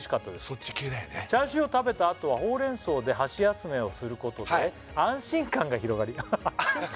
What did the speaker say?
そっち系だよね「チャーシューを食べたあとはホウレンソウで箸休めをすることで」「安心感が広がり」安心感？